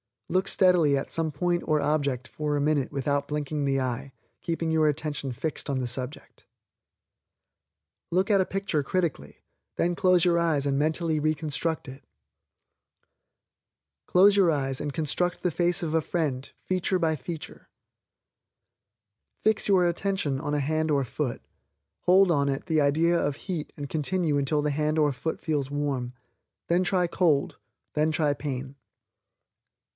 Look steadily at some point or object for a minute without winking the eye, keeping your attention fixed on the object. Look at a picture critically, then close your eyes and mentally reconstruct it. Close your eyes and construct the face of a friend, feature by feature. Fix your attention on a hand or foot, hold on it the idea of heat and continue until the hand or foot feels warm. Then try cold; then try pain.